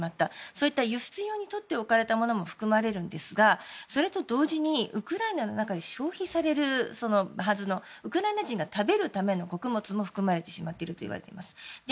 そういった輸出用に取っておいたものも含まれるんですがそれと同時にウクライナの中で消費されるはずのウクライナ人が食べるはずの穀物も含まれてしまっているといわれています。